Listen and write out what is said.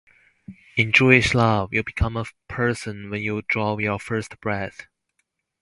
In Jewish law, you become a person when you draw your first breath.